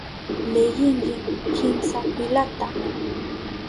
Leyinki kimsa filata.